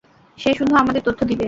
সে শুধু আমাদের তথ্য দিবে।